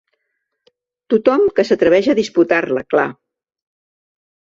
Tothom que s’atreveix a disputar-la, clar.